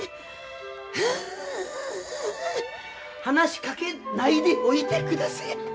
話しかけないでおいてくだせえ。